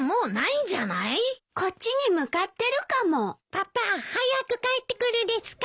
パパ早く帰ってくるですか？